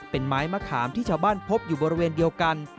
เป็นไม้มะขามที่ชาวบ้านพบอยู่บริเวณเดียวกัน